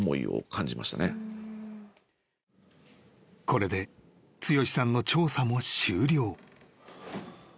［これで剛志さんの調査も終了］